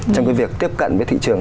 trong cái việc tiếp cận với thị trường